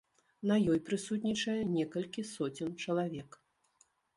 На ёй прысутнічае некалькі соцень чалавек.